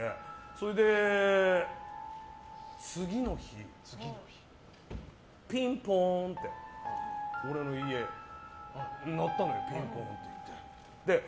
それで、次の日ピンポンって、俺の家鳴ったのよ、ピンポン。